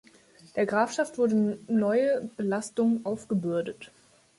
Der Grafschaft wurden neue Belastungen aufgebürdet.